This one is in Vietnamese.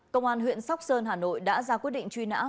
công an huyện sóc sơn hà nội đã ra quyết định truy nã